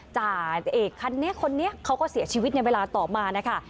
จ่าเอกคันนี้คนนี้เขาก็เสียชีวิตในเวลาต่อมานะคะ